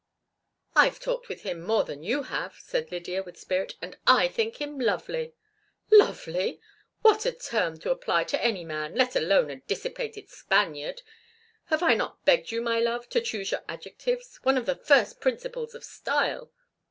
"I've talked with him more than you have," said Lydia, with spirit, "and I think him lovely!" "Lovely? What a term to apply to any man, let alone a dissipated Spaniard! Have I not begged you, my love, to choose your adjectives—one of the first principles of style?"